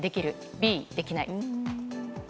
Ｂ、できない。